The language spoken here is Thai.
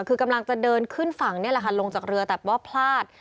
คือกำลังจะเดินขึ้นฝั่งนี่แหละค่ะลงจากเรือแต่ว่าพลาด